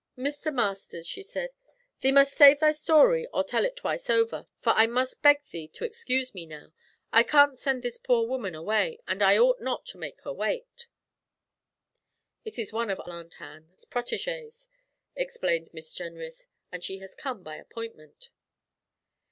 'Mr. Masters,' she said, 'thee must save thy story or tell it twice over, for I must beg thee to excuse me now. I can't send this poor woman away, and I ought not to make her wait.' 'It's one of Aunt Ann's protégées,' explained Miss Jenrys, 'and she has come by appointment.'